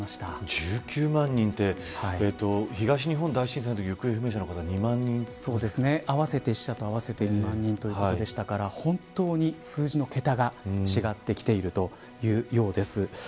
１９万人というと東日本大震災のときの死者と合わせて２万人ということでしたから本当に数字の桁が違ってきているというようです。